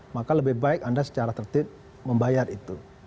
maka lebih baik anda secara tertib membayar itu